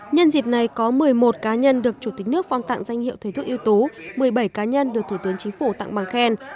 nhân dịp này có một mươi một cá nhân được chủ tịch nước phong tặng danh hiệu thầy thuốc ưu tú một mươi bảy cá nhân được thủ tướng chính phủ tặng bằng khen